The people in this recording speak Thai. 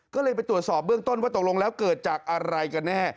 ก็เลยไปตรวจสอบเบื้องต้นว่าตกลงแล้วเกิดจากอะไรกันแน่